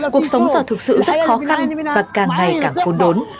cuộc sống giờ thực sự rất khó khăn và càng ngày càng khôn đốn